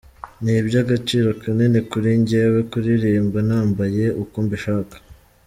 Ni iby’agaciro kanini kuri njyewe kuririmba nambaye uko mbishaka.